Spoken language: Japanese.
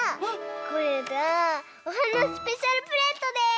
これがおはなスペシャルプレートです！